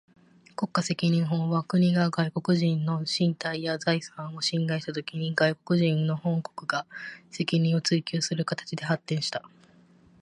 国家責任法は、国が外国人の身体や財産を侵害したときに、外国人の本国が責任を追求する形で発展した。